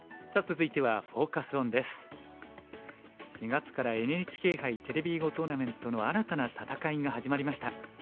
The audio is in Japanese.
４月からＮＨＫ杯テレビ囲碁トーナメントの新たな戦いが始まりました。